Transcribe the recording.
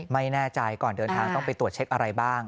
ไม่แน่ใจก่อนเดินทางต้องไปตรวจเช็คอะไรบ้าง